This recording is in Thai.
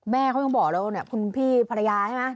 แม่เขายังบอกเลยว่าคุณพี่ภรรยาใช่ไหม